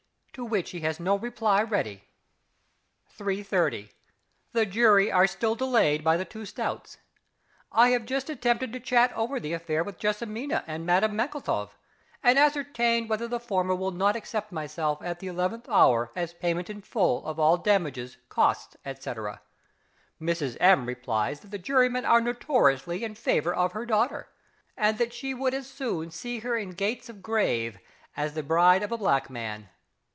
To which he has no reply ready. 3.30. The jury are still delayed by the two stouts. I have just attempted to chat over the affair with JESSIMINA and Madame MANKLETOW, and ascertain whether the former will not accept myself at the eleventh hour as payment in full of all damages, costs, &c. Mrs M. replies that the jurymen are notoriously in favour of her daughter, and that she would as soon see her in gates of grave as the bride of a black man.